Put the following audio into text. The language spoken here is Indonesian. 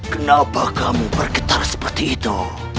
kenapa kamu bergetar seperti itu